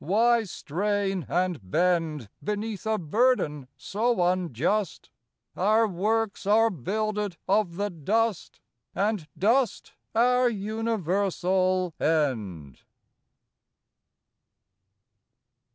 Why strain and bend Beneath a burden so unjust Our works are builded of the dust, And dust our universal end.